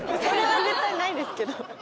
それは絶対ないですけど。